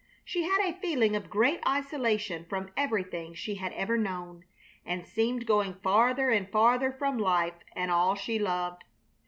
She had a feeling of great isolation from everything she had ever known, and seemed going farther and farther from life and all she loved.